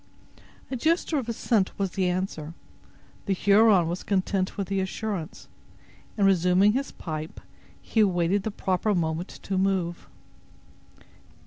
A gesture of assent was the answer. The Huron was content with the assurance, and, resuming his pipe, he awaited the proper moment to move.